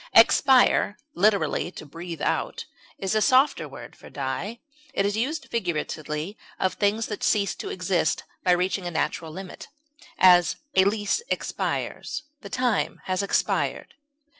Expire (literally, to breathe out) is a softer word for die; it is used figuratively of things that cease to exist by reaching a natural limit; as, a lease expires; the time has expired.